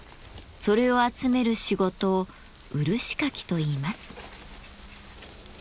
それを集める仕事を漆かきといいます。